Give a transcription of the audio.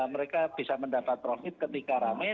mereka bisa mendapat profit ketika rame